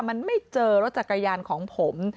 มันไม่เจอรถจักรยานของผม